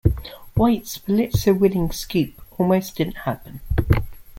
White's Pulitzer-winning scoop almost didn't happen.